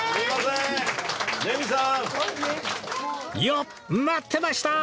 よっ待ってました！